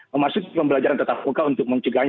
memasuki pembelajaran tetap kuka untuk mengecegah